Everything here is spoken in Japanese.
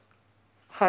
はい。